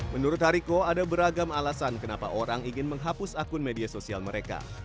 menurut hariko ada beragam alasan kenapa orang ingin menghapus akun media sosial mereka